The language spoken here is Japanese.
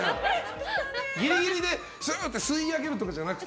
ギリギリで吸い上げるとかじゃなくて？